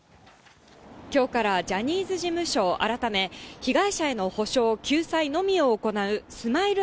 きょうからジャニーズ事務所改め、被害者への補償、救済のみを行うＳＭＩＬＥ